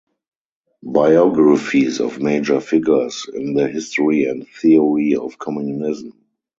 Biographies of "major figures" in the history and theory of communism.